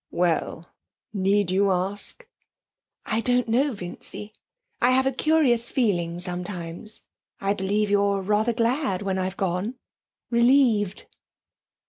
'Well, need you ask?' 'I don't know, Vincy. I have a curious feeling sometimes. I believe you're rather glad when I've gone relieved!'